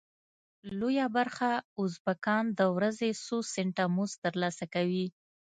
لویه برخه ازبکان د ورځې څو سنټه مزد تر لاسه کوي.